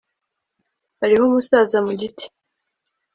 hariho umusaza mu giti